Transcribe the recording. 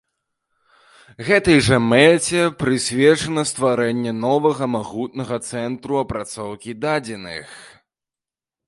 Гэтай жа мэце прысвечана стварэнне новага магутнага цэнтру апрацоўкі дадзеных.